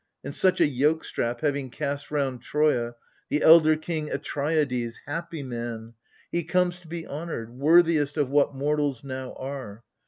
And such a yoke strap having cast round Troia, The elder king Atreides, happy man — he Comes to be honoured, worthiest of what mortals Now are.